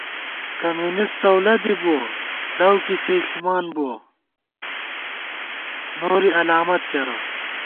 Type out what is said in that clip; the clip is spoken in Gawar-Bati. کمیونِسٹ څؤلہ دِی بُوَہ ، لؤ کی سے ݪِمانبُوَہ، نوری الامت کېرہ